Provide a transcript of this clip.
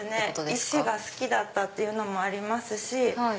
石が好きだったっていうのもありますし。